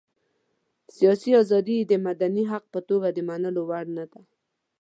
سياسي ازادي یې د مدني حق په توګه د منلو وړ نه ده.